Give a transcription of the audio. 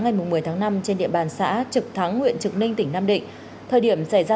ngày một mươi tháng năm trên địa bàn xã trực thắng huyện trực ninh tỉnh nam định thời điểm xảy ra